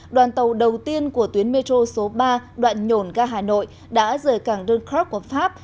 đoàn tàu đầu tiên của tuyến metro số ba đoạn nhổn ga hà nội đã rời cảng dunkrak của pháp